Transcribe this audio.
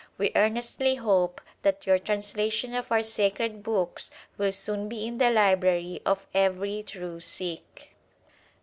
We earnestly hope that your translation of our sacred books will soon be in the library of every true Sikh.